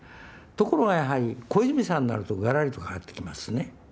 ところがやはり小泉さんになるとがらりと変わってきますね。